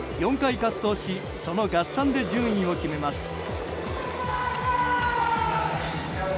４回滑走しその合算で順位を決めます。